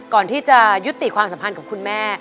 ก่อนที่จะยุติความสัมพันธ์ของคุณแม่